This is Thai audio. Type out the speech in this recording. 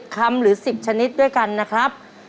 คำหรือ๑๐ชนิดด้วยกันนะครับ